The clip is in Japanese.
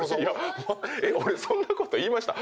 俺そんなこと言いました？